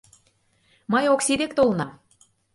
— Мый Окси дек толынам...